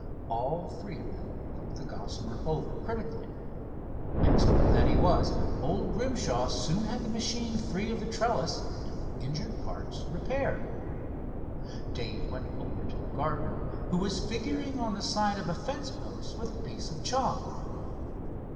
All three of them looked the Gossamer over critically. Expert that he was, old Grimshaw soon had the machine free of the trellis and the injured parts repaired. Dave went over to the gardener, who was figuring on the side of a fence post with a piece of chalk.